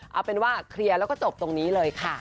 เอาเป็นว่าเคลียร์แล้วก็จบตรงนี้เลยค่ะ